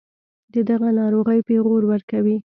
دَدغه ناروغۍپېغور ورکوي